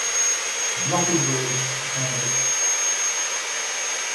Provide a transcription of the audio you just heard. Nothing grows upon it.